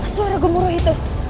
suara gemuruh itu